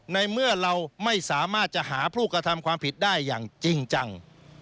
ในเมื่อเราไม่สามารถจะหาผู้กระทำความผิดได้อย่างจริงจัง